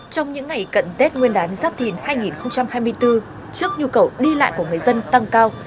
trong những ngày cận tết nguyên đán giáp thìn hai nghìn hai mươi bốn trước nhu cầu đi lại của người dân tăng cao